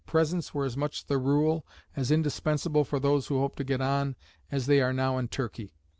Presents were as much the rule, as indispensable for those who hoped to get on, as they are now in Turkey.